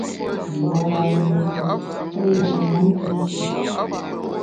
Mbungam yié nkù’, pe lu’ muom pü shi.